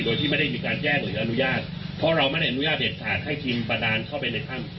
โดยที่ไม่ได้มีการแจ้งหรืออนุญาตเพราะเราไม่ได้อนุญาตเด็ดขาดให้ทีมประดานเข้าไปในถ้ำ